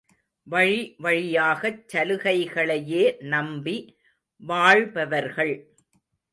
வழிவழியாகச் சலுகைகளையே நம்பி வாழ்பவர்கள்.